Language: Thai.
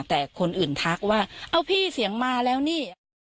แต่คนอื่นทักว่าเอ้าพี่เสียงมาแล้วนี่